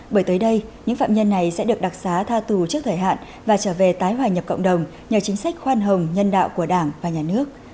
bởi tới đây những phạm nhân này sẽ được đặc xá tha tù trước thời hạn và trở về tái hòa nhập cộng đồng nhờ chính sách khoan hồng nhân đạo của đảng và nhà nước